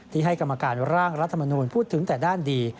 ที่ให้กรรมการร่างรัฐมนูลพูดถึงแต่ด้านดี